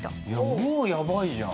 もうやばいじゃん。